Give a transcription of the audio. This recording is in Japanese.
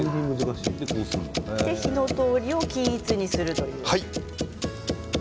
そして火の通りを均一にするという。